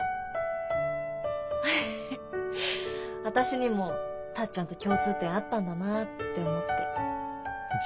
私にもタッちゃんと共通点あったんだなって思って。